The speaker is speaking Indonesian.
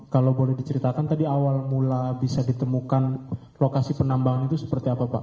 kalau boleh diceritakan tadi awal mula bisa ditemukan lokasi penambangan itu seperti apa pak